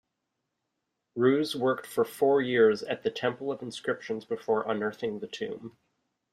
Ruz worked for four years at the Temple of Inscriptions before unearthing the tomb.